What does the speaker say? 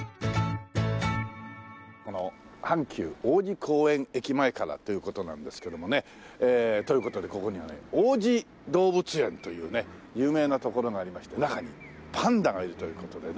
この阪急王子公園駅前からという事なんですけどもね。という事でここにはね王子動物園というね有名な所がありまして中にパンダがいるという事でね。